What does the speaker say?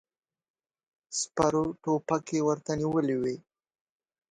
سپرو ټوپکې ورته نيولې وې.